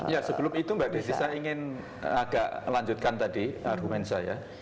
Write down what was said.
ya sebelum itu mbak desi saya ingin agak lanjutkan tadi argumen saya